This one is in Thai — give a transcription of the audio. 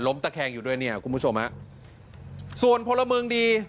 ตะแคงอยู่ด้วยเนี่ยคุณผู้ชมฮะส่วนพลเมืองดี